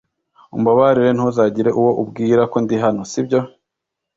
umbabarire ntuzagire uwo ubwira ko ndi hano, sibyo!